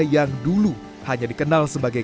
yang dulu hanya dikenal sebagai